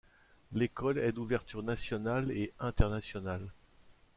L'école est d'ouverture nationale et internationale.